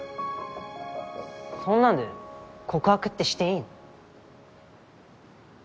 そんなんで告白ってしていいの？